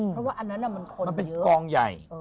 เพราะว่าอันนั้นมันคนเยอะมันเป็นกองใหญ่